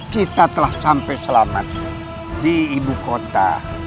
kita telah sampai selamat di ibu kota